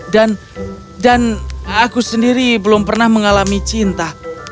dan aku sendiri belum pernah mengalami cinta